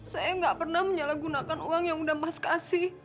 saya nggak pernah menyalahgunakan uang yang udah mas kasih